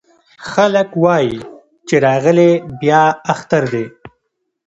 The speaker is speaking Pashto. خلک وايې چې راغلی بيا اختر دی